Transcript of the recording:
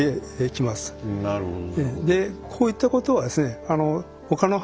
なるほど。